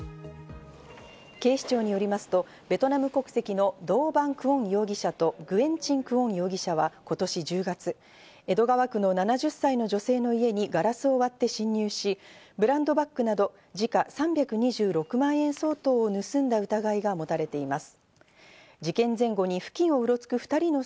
警視庁によりますと、ベトナム国籍のドー・バン・クオン容疑者とグエン・チン・クオン容疑者は今年１０月、江戸川区の７０歳の女性の家にガラスを割って侵入し、ブランドバッグなど時価３２６万円相当を盗んだ疑いが持たれています。